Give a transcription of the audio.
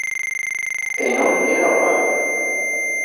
E non é normal.